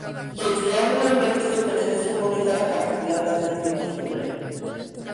Y el triángulo invertido pretende simbolizar la capacidad de hacer lo imposible.